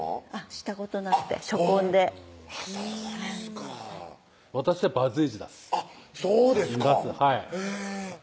したことなくて初婚でそうですか私はバツイチだすそうですかへぇ